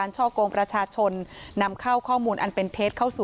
ช่อกงประชาชนนำเข้าข้อมูลอันเป็นเท็จเข้าสู่